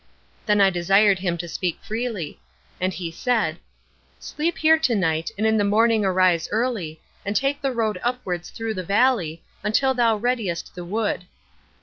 Then I desired him to speak freely. And he said: 'Sleep here to night, and in the morning arise early, and take the road upwards through the valley, until thou readiest the wood.